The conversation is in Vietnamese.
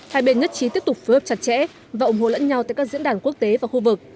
hai bên nhất trí tiếp tục phối hợp chặt chẽ và ủng hộ lẫn nhau tại các diễn đàn quốc tế và khu vực